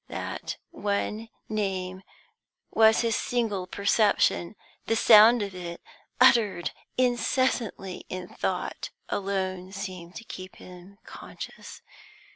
That one name was his single perception; the sound of it, uttered incessantly in thought, alone seemed to keep him conscious.